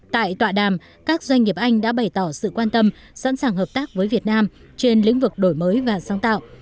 tại tọa đàm các doanh nghiệp anh đã bày tỏ sự quan tâm sẵn sàng hợp tác với việt nam trên lĩnh vực đổi mới và sáng tạo